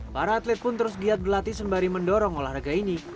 para atlet pun terus giat berlatih sembari mendorong olahraga ini